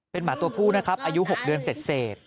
เป็นหมาตัวผู้นะครับอายุ๖เดือนเสร็จ